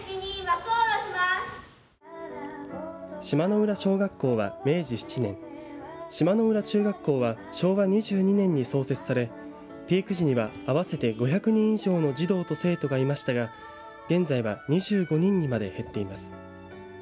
島野浦小学校は島野浦中学校は昭和２２年に創設されピーク時には合わせて５００人以上の児童と生徒がいましたが現在は２５人にまで減っています。